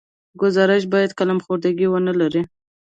ګزارش باید قلم خوردګي ونه لري.